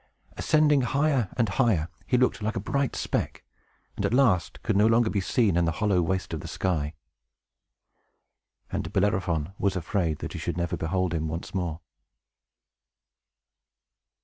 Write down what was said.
Ascending higher and higher, he looked like a bright speck, and, at last, could no longer be seen in the hollow waste of the sky. And Bellerophon was afraid that he should never behold him more.